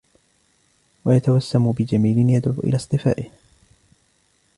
وَيَتَوَسَّمُ بِجَمِيلٍ يَدْعُو إلَى اصْطِفَائِهِ